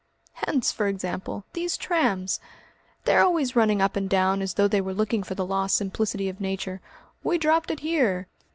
"Hence, for example, these trams! They are always running up and down as though they were looking for the lost simplicity of nature. 'We dropped it here!'"